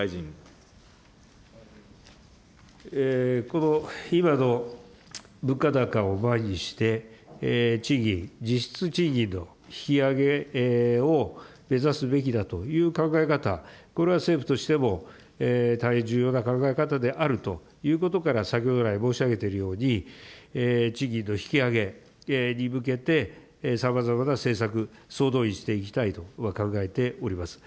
この今の物価高を前にして、賃金、実質賃金の引き上げを目指すべきだという考え方、これは政府としても大変重要な考え方であるということから、先ほど来、申し上げているように、賃金の引き上げに向けてさまざまな政策、総動員していきたいと考えております。